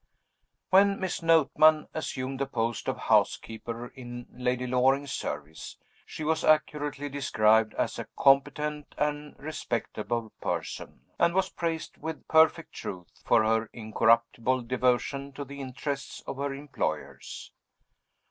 WHEN Miss Notman assumed the post of housekeeper in Lady Loring's service, she was accurately described as "a competent and respectable person"; and was praised, with perfect truth, for her incorruptible devotion to the interests of her employers.